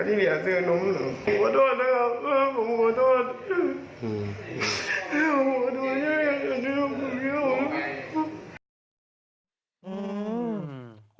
ขอโทษนะครับขอโทษขอโทษ